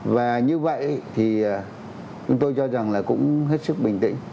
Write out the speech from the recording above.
và như vậy thì chúng tôi cho rằng là cũng hết sức bình tĩnh